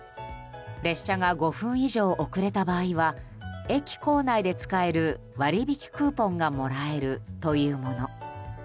列車が５分以上遅れた場合は駅構内で使える割引クーポンがもらえるというもの。